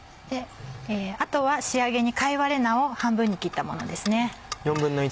あとは仕上げに貝割れ菜を半分に切ったものですね。